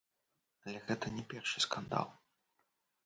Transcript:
Але гэта не першы скандал.